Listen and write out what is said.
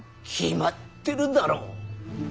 決まってるだろ。